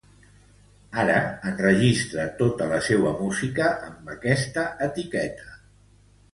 Ara, enregistra tota la seua música amb esta etiqueta.